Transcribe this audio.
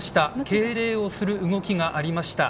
敬礼をする動きがありました。